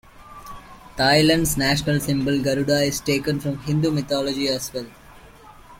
Thailand's national symbol Garuda is taken from Hindu mythology as well.